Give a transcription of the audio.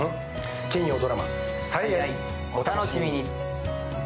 金曜ドラマ「最愛」、お楽しみに。